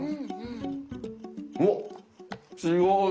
おっ違う！